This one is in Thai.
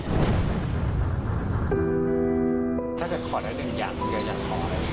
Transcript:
ถ้าจะขอแต่หนึ่งอย่างอยากขออะไร